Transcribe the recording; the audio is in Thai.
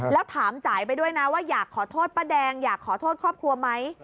แล้วถามจ่ายไปด้วยนะว่าอยากขอโทษป้าแดงอยากขอโทษครอบครัวไหม